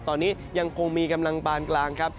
ตอนนี้ยังคงมีกำลังปานกลางครับ